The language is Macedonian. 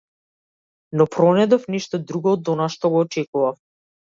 Но пронајдов нешто друго од она што го очекував.